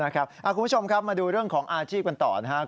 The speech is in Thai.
คุณผู้ชมครับมาดูเรื่องของอาชีพกันต่อนะครับ